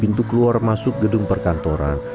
pintu keluar masuk gedung perkantoran